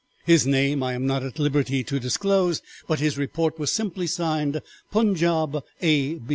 His name I am not at liberty to disclose, but his report was simply signed Punjaub A.